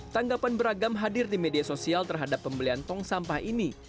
tanggapan beragam hadir di media sosial terhadap pembelian tong sampah ini